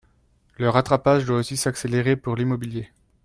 Le rattrapage doit aussi s’accélérer pour l’immobilier.